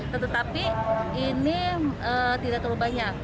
tetapi ini tidak terlalu banyak